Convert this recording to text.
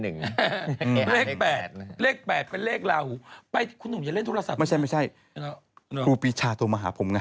เลข๘เลข๘เป็นเลขลาหูไปอย่าเล่นโทรศัพท์ไม่ใช่กูปีชาโทมหาผมไง